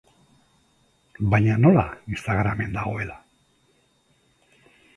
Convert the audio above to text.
Baina nola, Instagramen dagoela?